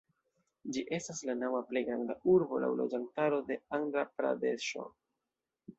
Ĝi estas la naŭa plej granda urbo laŭ loĝantaro de Andra-Pradeŝo.